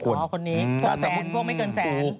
ขนี่พวกแสนพวกไม่เกินแสน